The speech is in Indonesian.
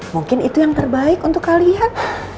mungkin itu yang terbaik untuk kalian